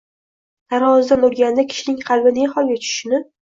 Tarozidan urganda kishining qalbi ne holga tushishini